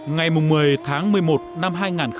ngày một mươi tháng một mươi một năm hai nghìn một mươi chín